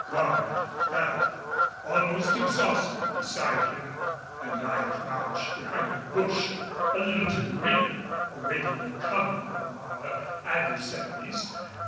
Goddard fell almost exhausted beside him and I crouched behind a bush a little to the rear, awaiting the coming of our adversaries.